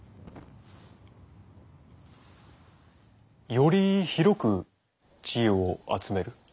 より広く知恵を集める。